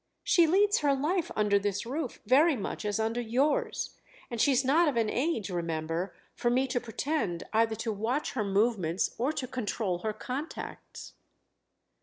"She leads her life under this roof very much as under yours; and she's not of an age, remember, for me to pretend either to watch her movements or to control her contacts."